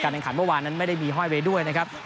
การทางขัดเมื่อวานไม่ได้ไปห้อยด้วยนะครับ